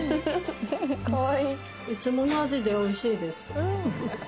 いつもの味でおいしいです。